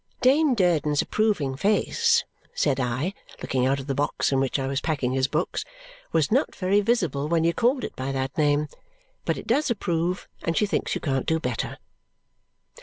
"Dame Durden's approving face," said I, looking out of the box in which I was packing his books, "was not very visible when you called it by that name; but it does approve, and she thinks you can't do better."